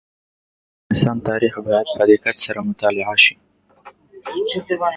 د افغانستان تاریخ باید په دقت سره مطالعه شي.